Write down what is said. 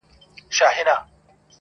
هغه خو دا گراني كيسې نه كوي.